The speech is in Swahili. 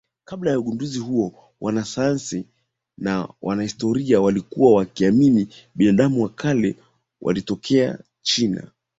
Kabla ya ugunduzi huo wanasayansi na wanahistoria walikuwa wakiamini binadamu wa kale walitokea China